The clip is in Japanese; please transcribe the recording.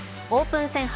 オープン戦